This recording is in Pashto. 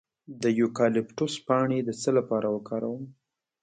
د یوکالیپټوس پاڼې د څه لپاره وکاروم؟